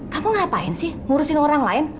kamu ngapain sih ngurusin orang lain